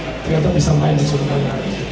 ternyata bisa main di surat surat ini